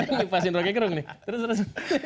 ini ngipasin rohigerung nih terus terus